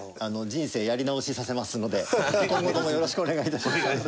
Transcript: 人生やり直しさせますので今後ともよろしくお願いいたします。